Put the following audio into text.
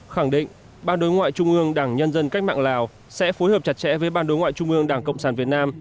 khẳng định ban đối ngoại trung ương đảng nhân dân cách mạng lào sẽ phối hợp chặt chẽ với ban đối ngoại trung ương đảng cộng sản việt nam